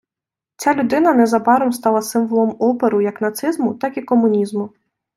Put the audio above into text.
Ця людина незабаром стала символом опору як нацизму, так і комунізму.